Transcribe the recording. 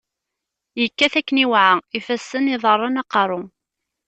yekkat akken iweɛa, ifassen, iḍaren, aqeṛṛu.